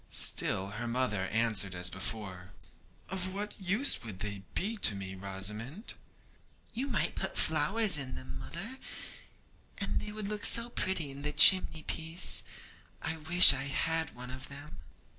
Still her mother answered as before: 'Of what use would they be to me, Rosamond?' 'You might put flowers in them, mother, and they would look so pretty on the chimney piece. I wish I had one of them.'